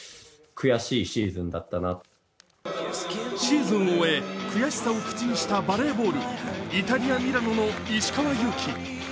シーズンを終え、悔しさを口にしたバレーボール、イタリアミラノの石川祐希。